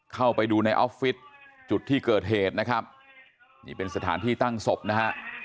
เข้าไปดูในออฟฟิศจุดที่เกิดเหตุนะครับนี่เป็นสถานที่ตั้งศพนะฮะ